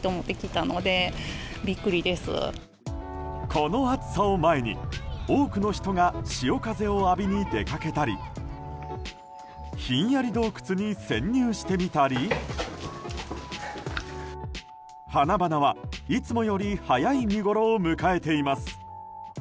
この暑さを前に、多くの人が潮風を浴びに出かけたりひんやり洞窟に潜入してみたり花々は、いつもより早い見ごろを迎えています。